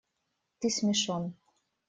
Ты смешон.